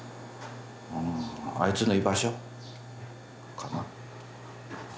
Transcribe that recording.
あいつの居場所かな。